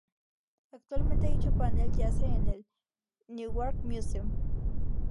Actualmente dicho panel yace en el Newark Museum.